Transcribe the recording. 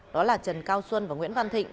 đó là trần cao xuân và nguyễn văn thịnh